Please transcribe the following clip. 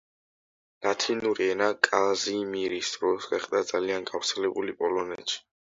ლათინური ენა კაზიმირის დროს გახდა ძალიან გავრცელებული პოლონეთში.